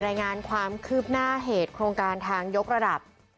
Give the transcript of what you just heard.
รายงานความคืบหน้าเหตุโครงการทางยกระดับ